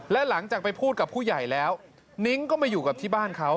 และหลังจากไปพูดกับผู้ใหญ่แล้วนิ้งก็มาอยู่กับที่บ้านเขา